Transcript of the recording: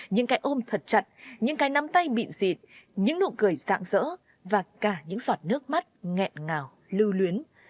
những cái ôm thật chặt những cái nắm tay bị dịt những nụ cười dạng dỡ và cả những giọt nước mắt nghẹn ngào lưu luyến